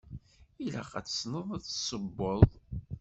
Ilaq ad tessneḍ ad tessewweḍ.